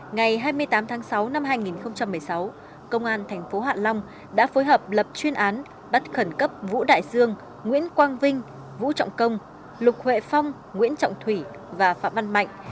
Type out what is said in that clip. ngày hai mươi tám tháng sáu năm hai nghìn một mươi sáu công an tp hạ long đã phối hợp lập chuyên án bắt khẩn cấp vũ đại dương nguyễn quang vinh vũ trọng công lục huệ phong nguyễn trọng thủy và phạm văn mạnh